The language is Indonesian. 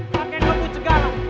pakai dompet segar dong